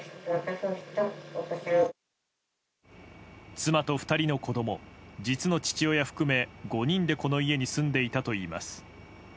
妻と２人の子供実の父親含め５人でこの家に住んでいたといいます。